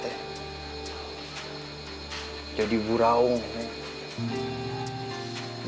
menjadi burau neng